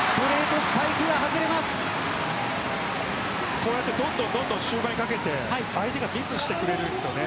こうやって終盤にかけて相手がミスをしてくれるんですよね。